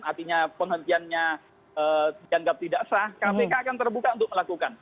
artinya penghentiannya dianggap tidak sah kpk akan terbuka untuk melakukan